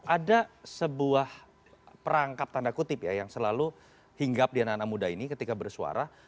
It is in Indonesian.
ada sebuah perangkap tanda kutip ya yang selalu hinggap di anak anak muda ini ketika bersuara